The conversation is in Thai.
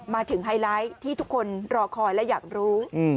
ไฮไลท์ที่ทุกคนรอคอยและอยากรู้